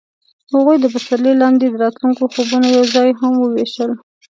هغوی د پسرلی لاندې د راتلونکي خوبونه یوځای هم وویشل.